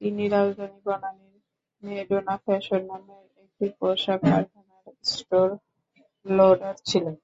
তিনি রাজধানীর বনানীর Madonna fashion নামের একটি পোশাক কারখানার স্টোর লোডার ছিলেন।